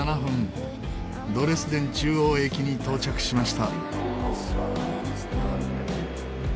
ドレスデン中央駅に到着しました。